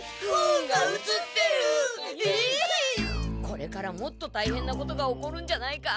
これからもっとたいへんなことが起こるんじゃないか？